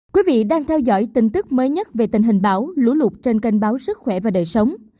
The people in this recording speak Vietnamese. quý vị đang theo dõi tin tức mới nhất về tình hình bão lũ lụt trên kênh báo sức khỏe và đời sống